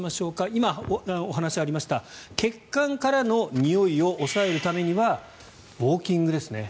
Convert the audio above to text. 今、お話がありました血管からのにおいを抑えるためにはウォーキングですね。